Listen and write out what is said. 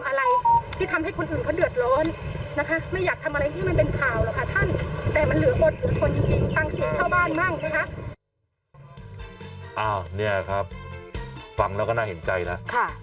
อันนี้ครับฟังแล้วก็น่าเห็นใจนะ